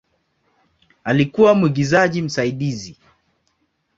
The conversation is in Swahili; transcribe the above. Alikuwa mwigizaji msaidizi.